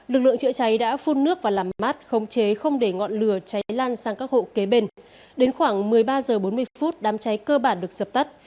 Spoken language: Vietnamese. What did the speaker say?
lực lượng chữa trái đã phun nước và làm mát